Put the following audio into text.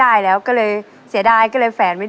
ตัวเลือดที่๓ม้าลายกับนกแก้วมาคอ